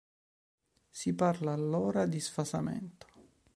Si parla allora di sfasamento.